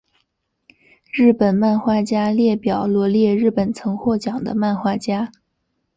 日本漫画家列表罗列日本曾获奖的漫画家。